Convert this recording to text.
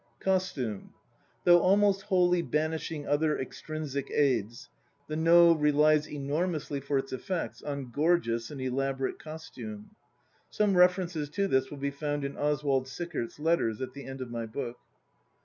COSTUME. Though almost wholly banishing other extrinsic aids, the No relies enormously for its effects on gorgeous and elaborate costume. Some references to this will be found in Oswald Sickert's letters at the end of my book.